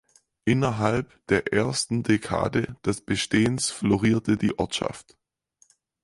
Innerhalb der ersten Dekade des Bestehens florierte die Ortschaft.